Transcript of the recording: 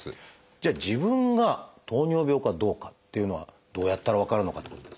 じゃあ自分が糖尿病かどうかっていうのはどうやったら分かるのかってことですが。